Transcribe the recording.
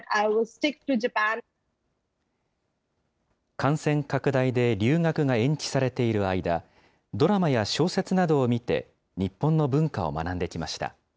感染拡大で留学が延期されている間、ドラマや小説などを見て、日本の文化を学んできました。